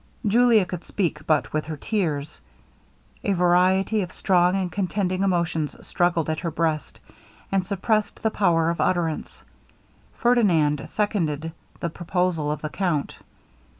Julia could speak but with her tears. A variety of strong and contending emotions struggled at her breast, and suppressed the power of utterance. Ferdinand seconded the proposal of the count.